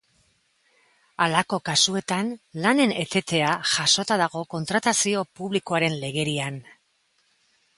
Halako kasuetan, lanen etetea jasota dago kontratazio publikoaren legerian.